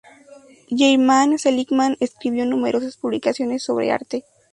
Germain Seligman escribió numerosas publicaciones sobre arte.